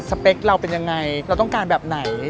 เปคเราเป็นยังไงเราต้องการแบบไหน